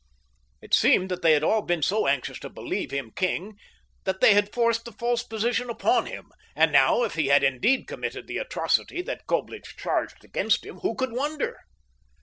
It seemed that they had all been so anxious to believe him king that they had forced the false position upon him, and now if he had indeed committed the atrocity that Coblich charged against him, who could wonder?